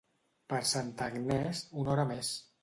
Per Santa Agnès, una hora més.